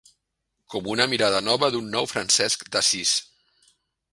Com una mirada nova d'un nou Francesc d'Assís.